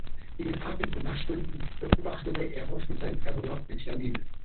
In den Abend- und Nachtstunden beobachtete er oft mit seinem Fernrohr den Sternhimmel.